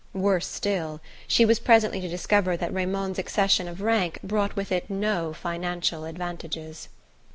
Worse still, she was presently to discover that Raymond's accession of rank brought with it no financial advantages.